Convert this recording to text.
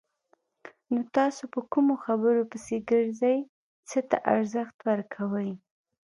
نو تاسو په کومو خبرو پسې ګرځئ! څه ته ارزښت ورکوئ؟